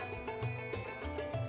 ya kalau untuk sahur berbuka seperti itu